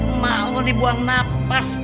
emak lo dibuang nafas